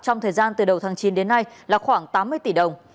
trong thời gian từ đầu tháng chín đến nay là khoảng tám mươi tỷ đồng